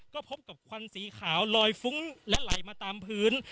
ก็พบกับควันสีขาวลอยฟุ้งและไหลมาตามพื้น